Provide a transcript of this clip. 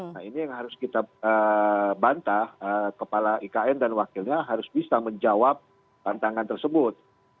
nah ini yang harus kita bantah kepala ikn dan wakilnya harus bisa menjawab tantangan tersebut